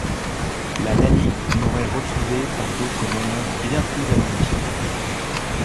La Laly m'aurait retrouvé par d'autres moyens bien plus alambiqués.